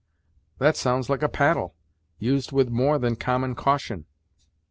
That sounds like a paddle, used with more than common caution!"